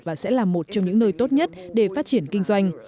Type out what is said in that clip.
và sẽ là một trong những nơi tốt nhất để phát triển kinh doanh